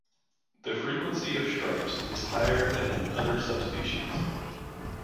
The frequency of stripes is higher than in other subspecies.